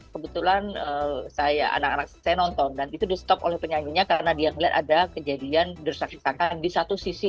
kebetulan saya anak anak saya nonton dan itu di stop oleh penyanyinya karena dia melihat ada kejadian dirusak desakan di satu sisi